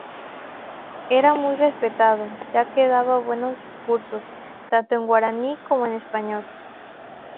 Era muy respetado, ya que daba buenos discursos, tanto en guaraní, como en español.